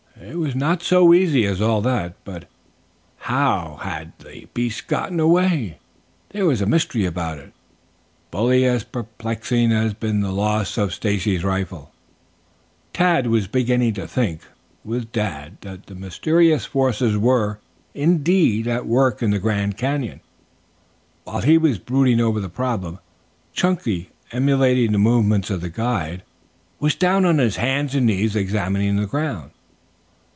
It was not so easy as all that. But how had the beast gotten away? There was a mystery about it fully as perplexing as had been the loss of Stacy's rifle. Tad was beginning to think, with Dad, that mysterious forces were, indeed, at work in the Grand Canyon. While he was brooding over the problem, Chunky, emulating the movements of the guide, was down on hands and knees, examining the ground.